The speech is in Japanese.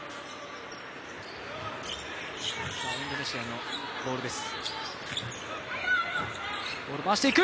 インドネシアのボールです。